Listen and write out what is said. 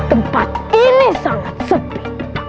tempat ini sangat sepi